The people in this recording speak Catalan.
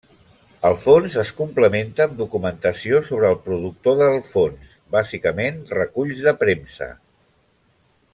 El fons es complementa amb documentació sobre el productor del fons, bàsicament reculls de premsa.